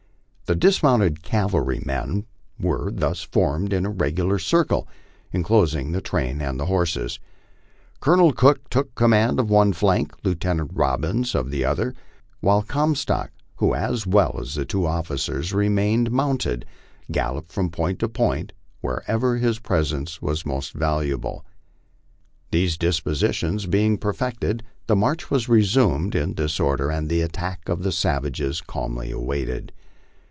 The dismounted cavalrymen were thus formed in a regular circle enclosing the train and horses. Colonel Cook took command of one flank. Lieutenant Robbins of the other, while Comstock, who as well as the two offi cers remained mounted, galloped from point to point wherever his presence was most valuable. These dispositions being perfected, the march was resumed in this order, and the attack of the savages calmly awaited.